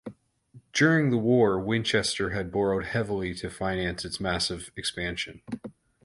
During the war Winchester had borrowed heavily to finance its massive expansion.